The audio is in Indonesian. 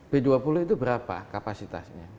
b dua puluh itu berapa kapasitasnya